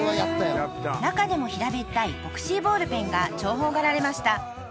［中でも平べったいＢＯＸＹボールペンが重宝がられました］